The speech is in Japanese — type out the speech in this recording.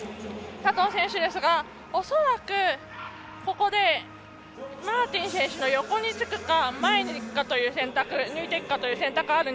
佐藤選手ですが、恐らくここでマーティン選手の横につくか前、抜いていくかという選択